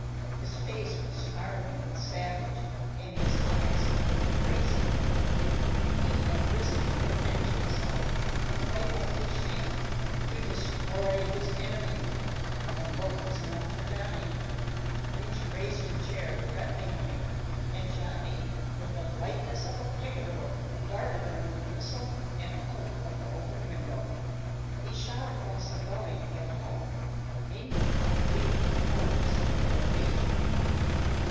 His face was snarling and savage, and his eyes were crazy. He had risen to avenge himself, to wipe out his shame, to destroy his enemy. One look was enough for Johnny. Wunsch raised a chair threateningly, and Johnny, with the lightness of a picador, darted under the missile and out of the open window. He shot across the gully to get help, meanwhile leaving the Kohlers to their fate.